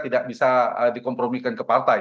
tidak bisa dikompromikan ke partai